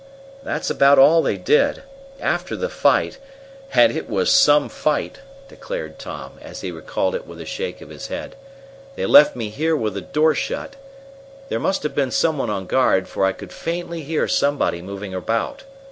"That's about all they did. After the fight and it was some fight!" declared Tom, as he recalled it with a shake of his head "they left me here with the door shut. There must have been some one on guard, for I could faintly hear somebody moving about.